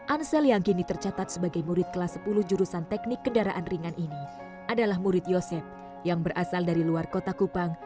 ansel yang kini tercatat sebagai murid kelas sepuluh jurusan teknik kendaraan ringan ini adalah murid yosep yang berasal dari luar kota kupang